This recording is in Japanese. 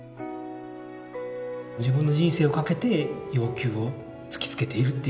自分の人生を懸けて要求を突きつけているっていう。